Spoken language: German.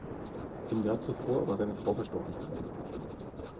Im Jahr zuvor war seine Frau verstorben.